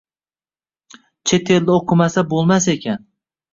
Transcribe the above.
Chet elda o’qimasa bo’lmas ekan.